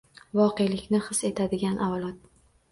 Voqelikni his etadigan avlod